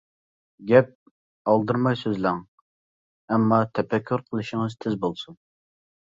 گەپ ئالدىرىماي سۆزلەڭ، ئەمما تەپەككۇر قىلىشىڭىز تىز بولسۇن.